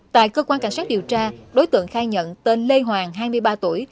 tại cơ quan cảnh sát điều tra đối tượng khai nhận tên lê hoàng hai mươi ba tuổi